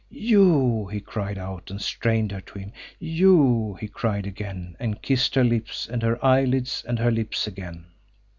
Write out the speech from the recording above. "You!" he cried out and strained her to him. "You!" he cried again and kissed her lips and her eyelids and her lips again.